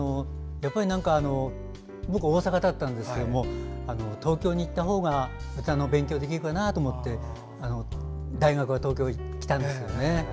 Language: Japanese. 僕、大阪だったんですけど東京に行ったほうが歌のお勉強できるかなと思って大学は東京に来たんですね。